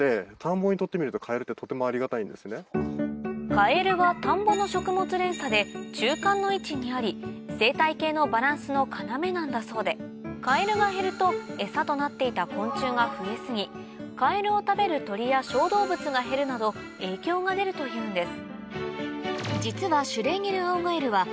カエルは田んぼの食物連鎖で中間の位置にあり生態系のバランスの要なんだそうでカエルが減ると餌となっていた昆虫が増え過ぎカエルを食べる鳥や小動物が減るなど影響が出るというんです